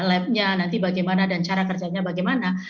lab nya nanti bagaimana dan cara kerjanya bagaimana